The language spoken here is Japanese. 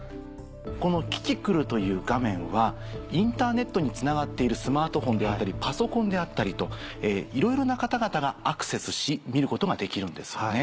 この「キキクル」という画面はインターネットにつながっているスマートフォンであったりパソコンであったりといろいろな方々がアクセスし見ることができるんですよね。